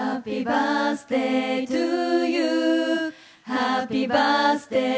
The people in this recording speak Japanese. ハッピーバースデー！